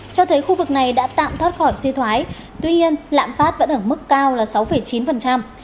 cho thấy khu vực này đã tạm thoát khỏi suy thoái tuy nhiên lạng phát vẫn ở mức cao là sáu chín phần trăm